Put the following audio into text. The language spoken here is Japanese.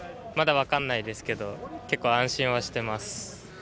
分からないですけど結構、安心はしてます。